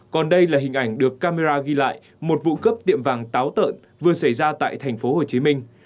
còn đây là hình ảnh được camera ghi lại một vụ cướp tiệm vàng táo tợn vừa xảy ra tại thành phố hồ chí minh